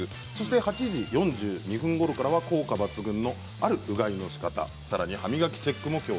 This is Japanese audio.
８時４２分ごろからは効果抜群のある、うがいのしかた、さらに歯磨きチェック。